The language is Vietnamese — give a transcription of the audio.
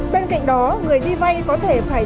bên cạnh đó người đi vay có thể phải